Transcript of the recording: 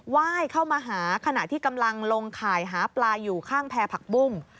ว่ายเข้ามาหาขณะที่กำลังลงข่ายหาปลาอยู่ข้างแพร่ผักบุ้ง